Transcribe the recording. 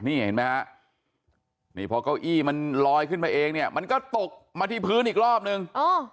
นี่เห็นไหมฮะนี่พอเก้าอี้มันลอยขึ้นมาเองเนี่ยมันก็ตกมาที่พื้นอีกรอบนึง